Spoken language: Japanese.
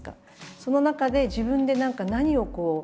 その中で自分で何か何をもって。